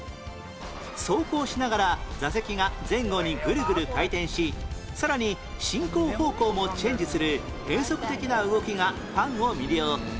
走行しながら座席が前後にグルグル回転しさらに進行方向もチェンジする変則的な動きがファンを魅了